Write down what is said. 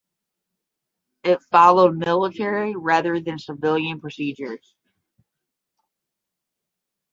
It followed military rather than civilian procedures.